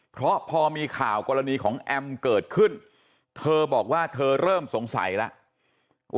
เพราะพอมีข่าวกรณีของแอมเกิดขึ้นเธอบอกว่าเธอเริ่มสงสัยแล้ว